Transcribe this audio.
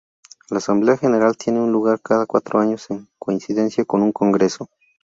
La Asamblea General tiene lugar cada cuatro años en coincidencia con un congreso.